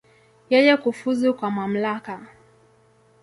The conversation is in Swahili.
Yeye kufuzu kwa mamlaka.